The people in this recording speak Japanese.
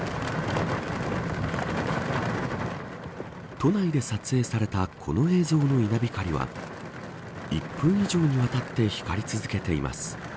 都内で撮影されたこの映像の稲光は１分以上にわたって光り続けています。